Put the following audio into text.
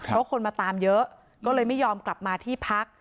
เพราะคนมาตามเยอะก็เลยไม่ยอมกลับมาที่พัก